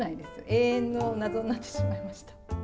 永遠の謎になってしまいました。